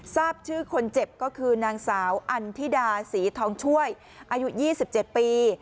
ทราบชื่อคนเจ็บก็คือนางสาวอันธิดาศรีทองช่วยอายุ๒๗ปี